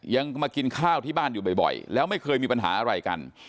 ยังมากินข้าวที่บ้านอยู่บ่อยแล้วไม่เคยมีปัญหาอะไรกัน